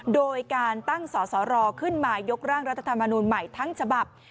โดยการตั้งสสรขึ้นมายกร่างรัฐธรรมนูลใหม่ทั้งฉบับ